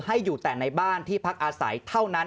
ให้อยู่แต่ในบ้านที่พักอาศัยเท่านั้น